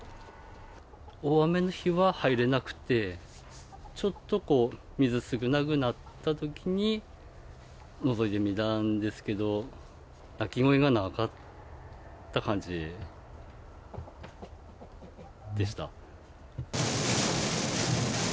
大雨の日は入れなくて、ちょっと水少なくなったときにのぞいてみたんですけど、鳴き声がなかった感じでした。